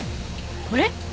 これ？